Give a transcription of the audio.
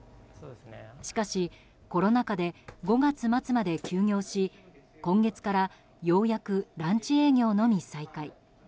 しかし、コロナ禍で５月末まで休業し今月から、ようやくランチ営業のみ再開。